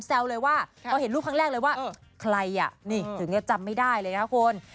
แล้วเอาเห็นรูปครั้งแรกเลยว่าใครนี่ถึงจะจำไม่ได้เลยค่ะคุณ